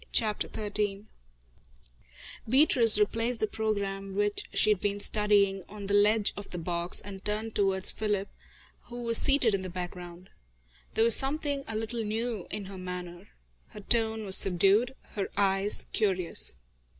CHAPTER XIII Beatrice replaced the programme which she had been studying, on the ledge of the box, and turned towards Philip, who was seated in the background. There was something a little new in her manner. Her tone was subdued, her eyes curious.